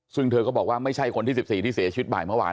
ซึ่งเธอก็บอกว่าไม่ใช่คนที่๑๔ที่เสียชีวิตบ่ายเมื่อวาน